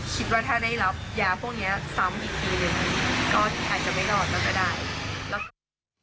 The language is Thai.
คิดว่าถ้าได้รับยาพวกนี้ซ้ำอีกทีนึง